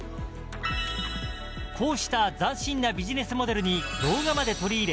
こうした斬新なビジネスモデルに動画まで取り入れ